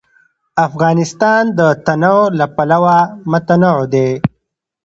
افغانستان د تنوع له پلوه متنوع دی.